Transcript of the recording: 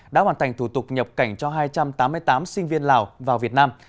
đã hoàn thành thủ tục nhập cảnh cho hai trăm tám mươi tám sinh viên lào vào việt nam